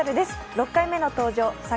６回目の登場作